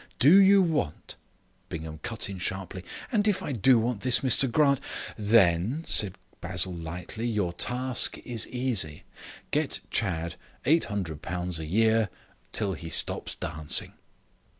Do you want " Bingham cut in sharply: "And if I do want this, Mr Grant " "Then," said Basil lightly, "your task is easy. Get Chadd £800 a year till he stops dancing."